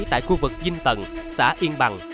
tại khu vực vinh tần xã yên bằng